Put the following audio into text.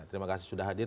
terima kasih sudah hadir